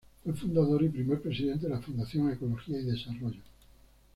Fue Fundador y primer Presidente de la Fundación Ecología y Desarrollo.